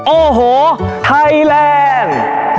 โอ้โหไทยแลนด์